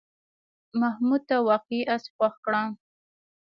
محمود ته واقعي آس خوښ کړه.